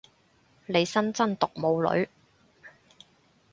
利申真毒冇女